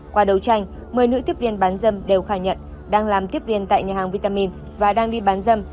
qua đấu tranh một mươi nữ tiếp viên bán dâm đều khai nhận đang làm tiếp viên tại nhà hàng vitamin và đang đi bán dâm